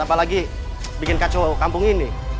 apalagi bikin kacau kampung ini